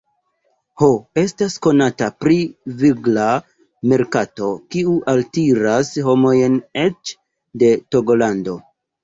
Ho estas konata pri vigla merkato, kiu altiras homojn eĉ de Togolando.